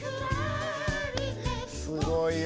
すごいよ。